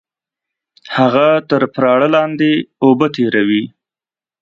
هغه تر پراړه لاندې اوبه تېروي